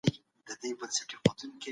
بشري حقونه د سولي تضمین کوي.